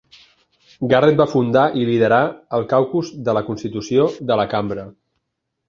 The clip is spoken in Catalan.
Garrett va fundar i liderar el Caucus de la Constitució de la Cambra.